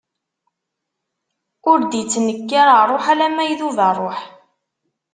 Ur d-ittnekkar ṛṛuḥ alamma idub ṛṛuḥ.